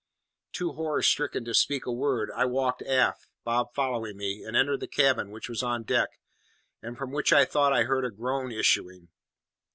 Too horror stricken to speak a word, I walked aft, Bob following me, and entered the cabin, which was on deck, and from which I thought I heard a groan issuing.